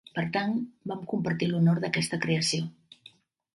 Per tant, vam compartir l'honor d'aquesta creació.